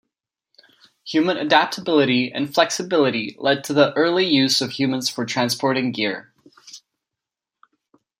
Human adaptability and flexibility led to the early use of humans for transporting gear.